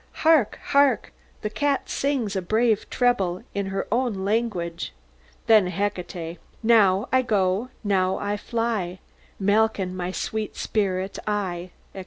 _) Hark! hark! the cat sings a brave treble in her own language. (Then HECATE.) Now I go, now I fly, Malkin, my sweet spirit, and I, etc.